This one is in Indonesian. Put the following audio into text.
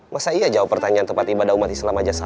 masa iya jawab pertanyaan tempat ibadah umat islam aja